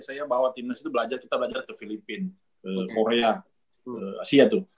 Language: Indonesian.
saya bawa timnas itu belajar kita belajar ke filipina korea asia tuh